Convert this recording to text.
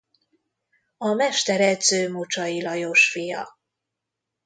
A mesteredző Mocsai Lajos fia.